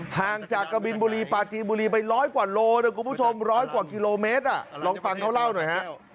ห่างจากกะบินบุรีปาจีนบุรีไปร้อยกว่าโลนะคุณผู้ชมร้อยกว่ากิโลเมตรลองฟังเขาเล่าหน่อยฮะ